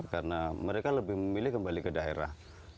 karena mereka lebih memilih kembali ke daerah